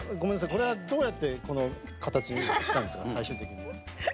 これはどうやってこの形にしたんですか、最終的に。